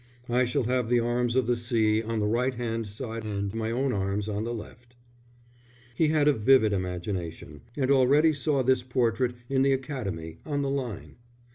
I shall have the arms of the See on the right hand side and my own arms on the left." He had a vivid imagination, and already saw this portrait in the Academy, on the line.